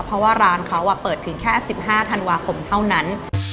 เพราะว่าร้านเขาเปิดถึงแค่๑๕ธันวาคมเท่านั้น